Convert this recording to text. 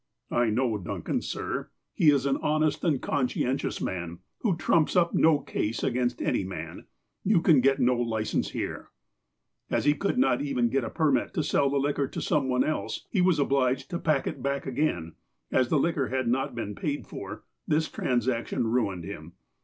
"I know Duncan, sir. He is an honest and conscien tious man, who trumps up no case against any man. You can get no license here." As he could not even get a permit to sell the liquor to some one else, he was obliged to " pack " it back again. As the liquor had not been paid for, this transaction ruined him.